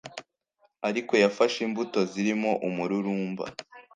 Ariko yafashe imbuto zirimo umururumba